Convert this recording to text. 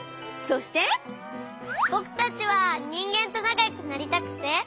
ぼくたちはにんげんとなかよくなりたくて。